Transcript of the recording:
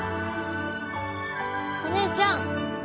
お姉ちゃん！